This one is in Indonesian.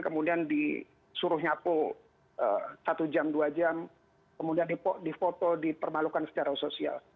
kemudian disuruh nyapu satu jam dua jam kemudian difoto dipermalukan secara sosial